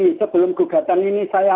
jadi gini sebelum gugatan ini saya